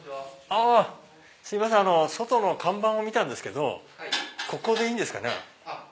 すいません外の看板を見たんですけどここでいいんですか？